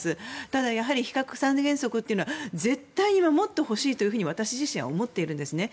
ただ、やはり非核三原則というのは絶対に守ってほしいと私自身は思っているんです。